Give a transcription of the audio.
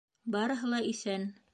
Барыһы ла иҫән.